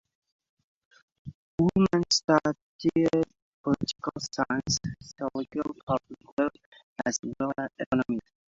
Bullmann studied political science, sociology, public law, as well as economy.